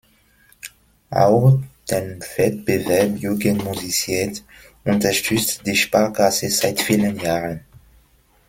Auch den Wettbewerb „Jugend musiziert“ unterstützt die Sparkasse seit vielen Jahren.